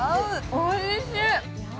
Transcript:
おいしい！